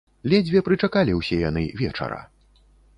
Ледзьве прычакалі ўсе яны вечара.